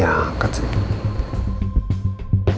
jangan lupa like subscribe dan subscribe